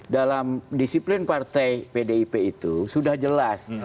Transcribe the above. dalam disiplin partai pdip itu sudah jelas